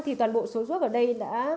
thì toàn bộ số ruốc ở đây đã